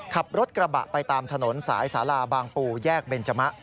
ขับรถกระบะไปตามถนนสายสาลาบางปูแยกเบนจมะ